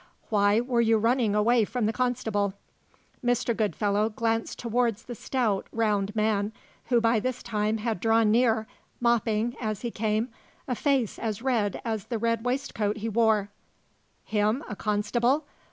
"Why were you running away from the constable?" Mr. Goodfellow glanced towards the stout, round man, who by this time had drawn near, mopping, as he came, a face as red as the red waistcoat he wore. "Him a constable?